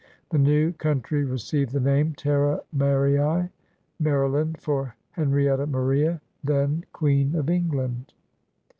The new country received the name Terra MaruB — Maryland — for Henrietta Maria, then Queen of England.